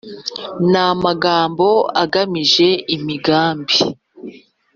N'amagambo agamije imigambi